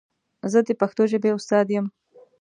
زه د پښتو ژبې استاد یم.